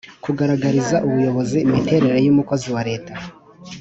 kugaragariza ubuyobozi imiterere y’umukozi wa leta,